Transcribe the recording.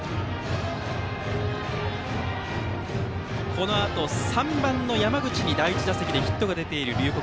このあと３番の山口に第１打席でヒットが出ている龍谷